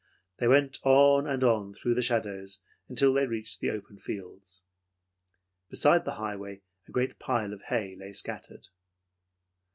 They went on and on through the shadows, until they reached the open fields. Beside the highway a great pile of hay lay scattered.